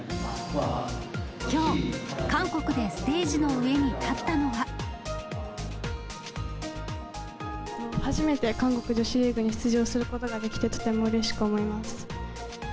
きょう、初めて韓国女子リーグに出場することができて、とてもうれしく思います。